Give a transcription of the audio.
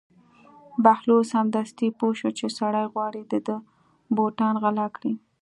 بهلول سمدستي پوه شو چې سړی غواړي د ده بوټان غلا کړي.